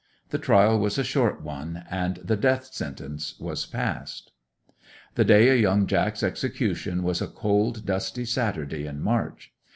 The trial was a short one, and the death sentence was passed. 'The day o' young Jack's execution was a cold dusty Saturday in March.